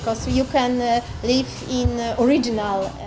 karena kamu bisa hidup di ruang asing